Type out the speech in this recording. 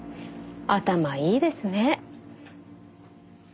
頭いいですね。